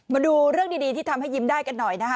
มาดูเรื่องดีที่ทำให้ยิ้มได้กันหน่อยนะฮะ